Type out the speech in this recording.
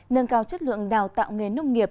nâng cao chất lượng đào tạo nghề nông nghiệp